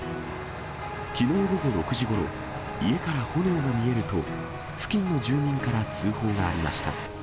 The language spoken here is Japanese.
きのう午後６時ごろ、家から炎が見えると、付近の住民から通報がありました。